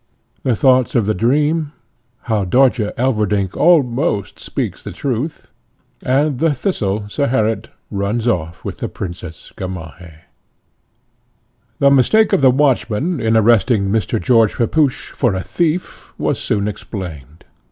The thoughts of the dream. How Dörtje Elverdink almost speaks the truth, and the Thistle, Zeherit, runs off with the Princess Gamaheh. The mistake of the watchman in arresting Mr. George Pepusch for a thief was soon explained.